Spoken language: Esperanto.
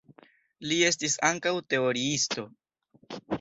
Li estis ankaŭ teoriisto.